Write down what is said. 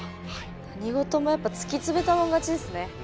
何事もやっぱ突き詰めたもん勝ちですね。